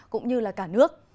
cũng như là cả nước